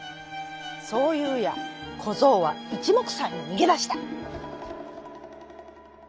そういうやこぞうはいちもくさんににげだした。